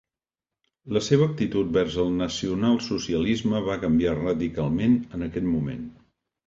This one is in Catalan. La seva actitud vers el nacionalsocialisme va canviar radicalment en aquest moment.